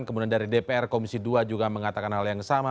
kemudian dari dpr komisi dua juga mengatakan hal yang sama